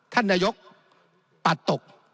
ท่านนายกปัดตก